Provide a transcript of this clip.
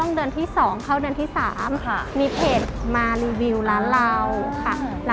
นี่ค่ะนี่ค่ะนี่ค่ะนี่ค่ะนี่ค่ะนี่ค่ะนี่ค่ะนี่ค่ะนี่ค่ะนี่ค่ะนี่ค่ะ